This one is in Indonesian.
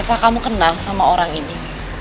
apa kamu kenal sama orang ini